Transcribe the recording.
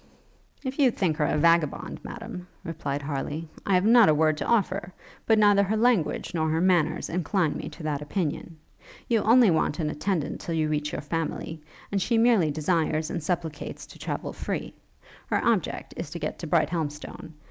'If you think her a vagabond, Madam,' replied Harleigh, 'I have not a word to offer: but neither her language nor her manners incline me to that opinion. You only want an attendant till you reach your family, and she merely desires and supplicates to travel free. Her object is to get to Brighthelmstone.